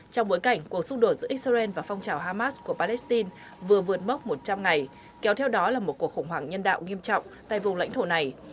trong bối cảnh cuộc xúc đổ giữa israel và phong trào hamas của palestine vừa vượt mốc một trăm linh ngày kéo theo đó là một cuộc khủng hoảng nhân đạo nghiêm trọng tại vùng lãnh thổ này